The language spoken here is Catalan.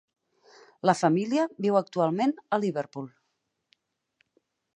La família viu actualment a Liverpool.